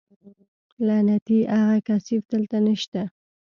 لعنتي اغه کثيف دلته نشته.